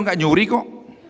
enggak nyuri kok